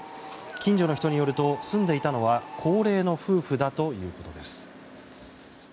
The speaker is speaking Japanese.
近所の人によると住んでいたのは高齢の夫婦だということです。